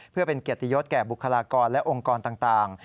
เพื่อเป็นเกียรติยศแก่บุคลากรและองค์กรต่าง